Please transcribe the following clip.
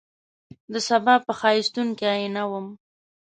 دسبا په ښایستون کي آئینه وم